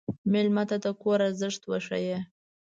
مېلمه ته د کور ارزښت وښیه.